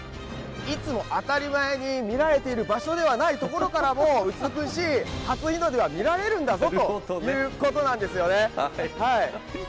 いつも当たり前に見られている場所ではないところからも美しい初日の出が見られるんだぞということなんですよね。